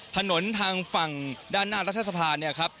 ถนนทางฝั่งด้านหน้ารัฐสภาเนี่ยครับ